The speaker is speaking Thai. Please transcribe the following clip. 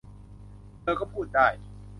เธอก็พูดได้